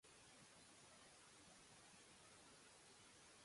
Kipaji kinaweza kuwa cha kimwili au cha kiakili.